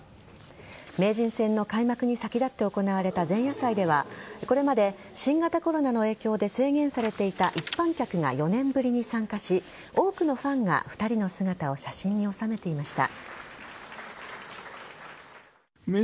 名人戦の開幕に先立って行われた前夜祭ではこれまで新型コロナの影響で制限されていた一般客が４年ぶりに参加し多くのファンが２人の姿を写真に収めていました。